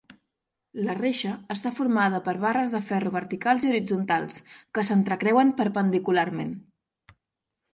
La reixa està formada per barres de ferro verticals i horitzontals que s'entrecreuen perpendicularment.